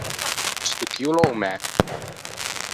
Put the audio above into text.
Sto chì o l’é o mæ.